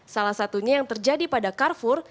salah satunya yang terjadi pada carfur